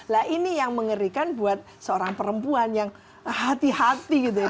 nah ini yang mengerikan buat seorang perempuan yang hati hati gitu